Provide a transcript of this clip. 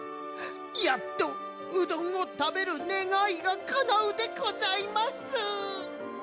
やっとうどんをたべるねがいがかなうでございます！